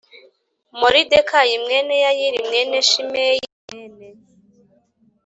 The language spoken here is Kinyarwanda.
Moridekayi mwene Yayiri mwene Shimeyi mwene